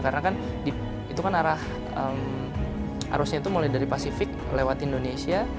karena kan itu kan arah arusnya itu mulai dari pasifik lewat indonesia